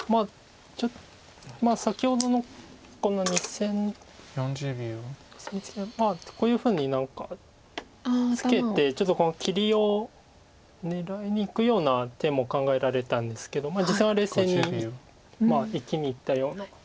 まあ先ほどのこの２線コスミツケはこういうふうに何かツケてちょっとこの切りを狙いにいくような手も考えられたんですけど実戦は冷静に生きにいったような。